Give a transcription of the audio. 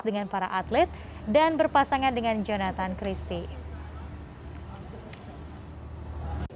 dengan para atlet dan berpasangan dengan jonathan christie